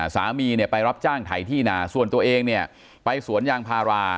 สามีไปรับจ้างไถ่ที่นาส่วนตัวเองไปสวนยางพารา